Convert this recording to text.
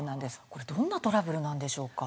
これどんなトラブルなんでしょうか？